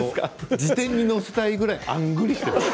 辞典に載せたいぐらいあんぐりしていました。